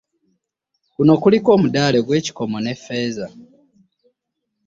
Kuno kuliko omudaali ogw'ekikomo ne ffeeza